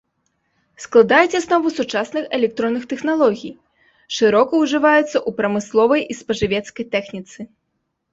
Складаюць аснову сучасных электронных тэхналогій, шырока ўжываюцца ў прамысловай і спажывецкай тэхніцы.